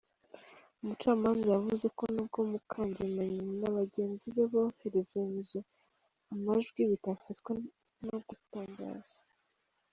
Umucamanza yavuze ko nubwo Mukangemanyi na bagenzi be bohererezanyije amajwi, bitafatwa nko gutangaza.